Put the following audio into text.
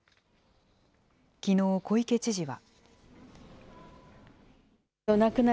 きのう、小池知事は。